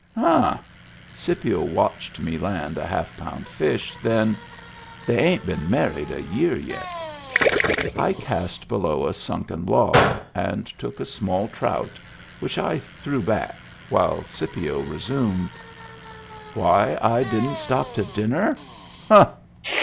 " Huh !" Scipio watched me land a half pound fish. Then: "They ain't been married a year yet." I cast below a sunken log and took a small trout, which I threw back, while Scipio resumed : "Why I didn't stop to dinner! Huh!